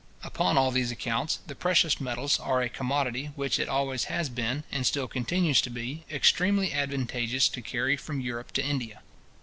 Upon all these accounts, the precious metals are a commodity which it always has been, and still continues to be, extremely advantageous to carry from Europe to India.